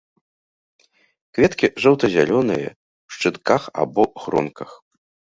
Кветкі жоўта-зялёныя ў шчытках або гронках.